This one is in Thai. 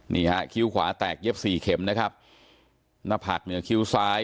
นี่ฮะคิ้วขวาแตกเย็บสี่เข็มนะครับหน้าผากเหนือคิ้วซ้าย